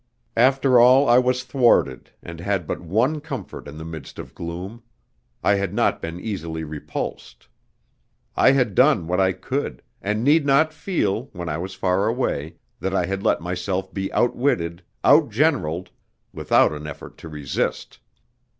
After all I was thwarted, and had but one comfort in the midst of gloom I had not been easily repulsed, I had done what I could, and need not feel, when I was far away, that I had let myself be outwitted, outgeneralled, without an effort to resist.